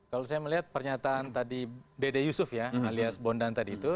kalau saya melihat pernyataan tadi dede yusuf ya alias bondan tadi itu